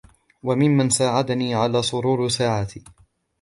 وَمِمَّنْ سَاعَدَنِي عَلَى سُرُورِ سَاعَتِي